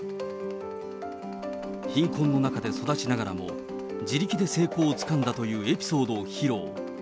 貧困の中で育ちながらも、自力で成功をつかんだというエピソードを披露。